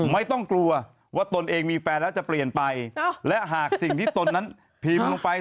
ไม่ต้องกลัวว่าตนเองมีแฟนแล้วจะเปลี่ยนไปและหากสิ่งที่ตนนั้นพิมพ์ลงไป